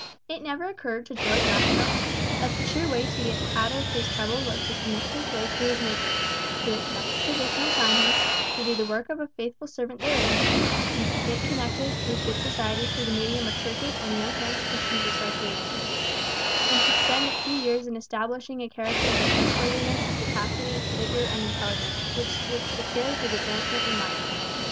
It never occurred to George Aspel that the true way to get out of his troubles was to commit his way to his Maker; to accept the position assigned him; to do the work of a faithful servant therein; to get connected with good society through the medium of churches and young men's Christian associations, and to spend a few years in establishing a character for trustworthiness, capacity, vigour, and intelligence, which would secure his advancement in life.